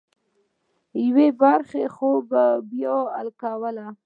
یوه برخه خو به یې حل کوله.